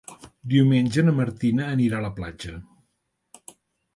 Diumenge na Martina anirà a la platja.